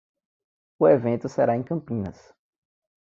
O evento será em Campinas.